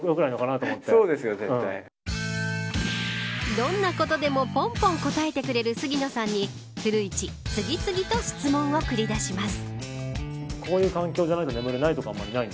どんなことでもぽんぽん答えてくれる杉野さんに古市、次々と質問をくり出します。